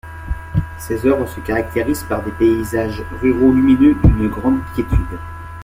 Ses œuvres se caractérisent par des paysages ruraux lumineux d'une grande quiétude.